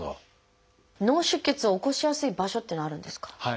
脳出血を起こしやすい場所っていうのはあるんですか？